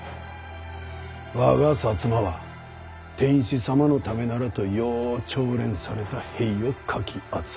我が摩は天子様のためならとよぉ調練された兵をかき集めておいもす。